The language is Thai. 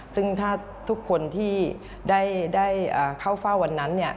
ซึ่งถ้าทุกคนที่ได้เข้าเฝ้าวันนั้น